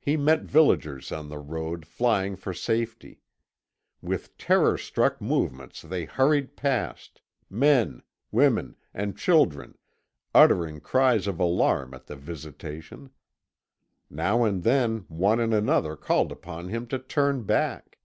He met villagers on the road flying for safety. With terror struck movements they hurried past, men, women, and children, uttering cries of alarm at the visitation. Now and then one and another called upon him to turn back.